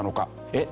えっ？